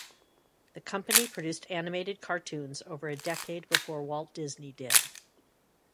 The company produced animated cartoons over a decade before Walt Disney did.